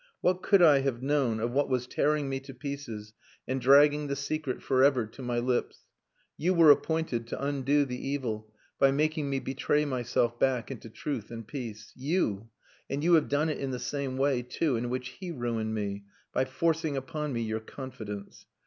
What could I have known of what was tearing me to pieces and dragging the secret for ever to my lips? You were appointed to undo the evil by making me betray myself back into truth and peace. You! And you have done it in the same way, too, in which he ruined me: by forcing upon me your confidence.